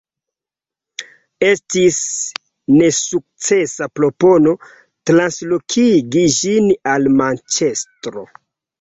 Estis nesukcesa propono translokigi ĝin al Manĉestro.